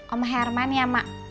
om herman ya mak